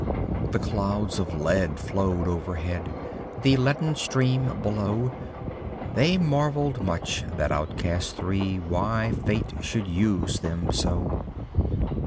The clouds of lead flowed overhead; The leaden stream below; They marvelled much, that outcast three, Why Fate should use them so.